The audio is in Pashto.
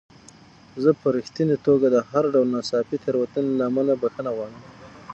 زه په رښتینې توګه د هر ډول ناڅاپي تېروتنې له امله بخښنه غواړم.